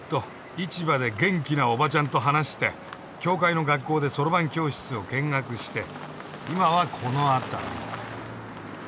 市場で元気なおばちゃんと話して教会の学校でそろばん教室を見学して今はこの辺り。